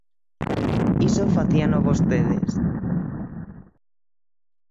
Iso facíano vostedes.